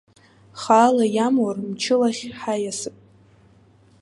Хаала иамур, мчылахь ҳаиасып!